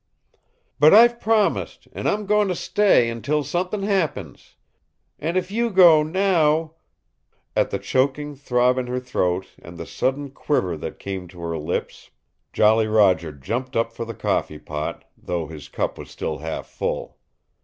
But I've promised, and I'm goin' to stay until something happens. And if you go now " At the choking throb in her throat and the sudden quiver that came to her lips, Jolly Roger jumped up for the coffee pot, though his cup was still half full.